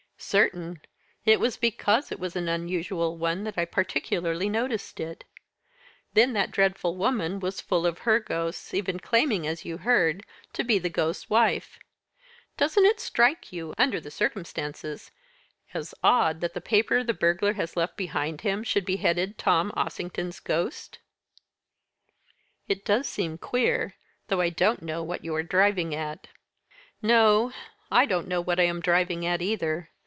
"Certain; it was because it was an unusual one that I particularly noticed it. Then that dreadful woman was full of her ghosts, even claiming, as you heard, to be the ghost's wife. Doesn't it strike you, under the circumstances, as odd that the paper the burglar has left behind him, should be headed 'Tom Ossington's Ghost'?" "It does seem queer though I don't know what you are driving at." "No; I don't know what I am driving at either.